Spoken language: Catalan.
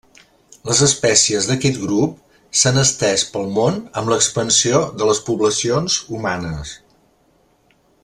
Les espècies d'aquest grup s'han estès pel món amb l'expansió de les poblacions humanes.